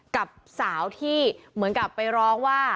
กับสาวที่เหมือนกับไปร้องว่า